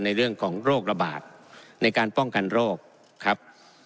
ในเรื่องของโรคระบาดในการป้องกันโรคครับ